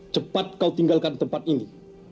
cepat kau tinggalkan di tempat ini